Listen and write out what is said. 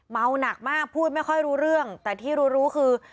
เมาหนักมากพูดไม่ค่อยรู้เรื่องแต่ที่รู้รู้คือ